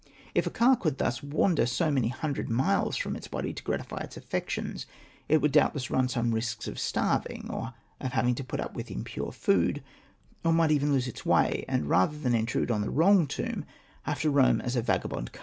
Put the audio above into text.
If a ka could thus wander so many hundred miles from its body to gratify its aifections, it would doubtless run some risks of starving, or having to put up with impure food ; or might even lose its way, and rather than intrude on the wrong tomb, have to roam as a vagabond ka.